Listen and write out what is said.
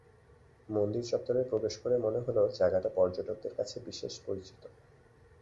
মন্দির চত্বরে প্রবেশ করে মনে হলো, জায়গাটি পর্যটকদের কাছে বিশেষ পরিচিত।